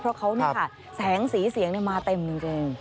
เพราะเขาแสงสีเสียงมาเต็มเลย